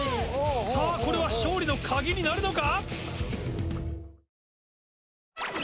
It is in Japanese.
さぁこれは勝利のカギになるのか？